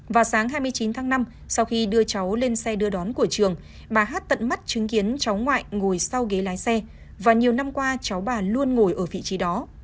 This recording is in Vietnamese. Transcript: vào sáng hai mươi chín tháng năm sau khi đưa cháu lên xe đưa đón của trường bà hát tận mắt chứng kiến cháu ngoại ngồi sau ghế lái xe và nhiều năm qua cháu bà luôn ngồi ở vị trí đó